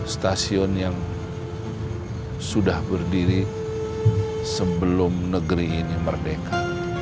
stasiun yang sudah berdiri sebelum negeri ini merdeka